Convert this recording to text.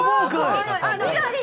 緑。